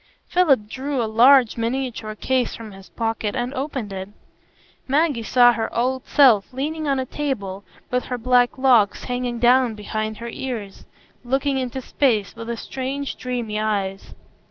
Philip drew a large miniature case from his pocket, and opened it. Maggie saw her old self leaning on a table, with her black locks hanging down behind her ears, looking into space, with strange, dreamy eyes.